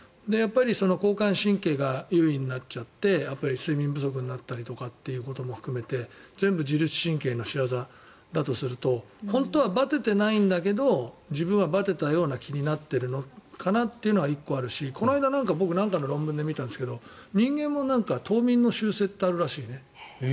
交感神経が優位になっちゃって睡眠不足になっちゃったりということも含めて全部、自律神経の仕業だとすると本当はバテていないんだけど自分はバテたような気になっているのかなっていうのは１個あるしこの間、僕何かの論文で見たんですけど人間も冬眠の習性ってあるらしいね。